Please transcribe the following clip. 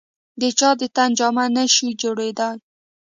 د چا د تن جامه نه شي جوړېدای.